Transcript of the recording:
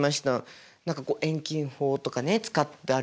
何かこう遠近法とかね使ったりして。